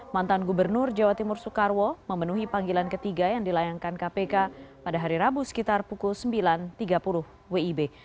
mantan gubernur jawa timur soekarwo memenuhi panggilan ketiga yang dilayangkan kpk pada hari rabu sekitar pukul sembilan tiga puluh wib